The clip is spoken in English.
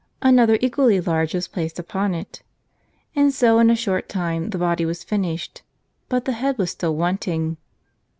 Another equally large was placed upon it. And so in a short time the body was finished. But the head was still wanting.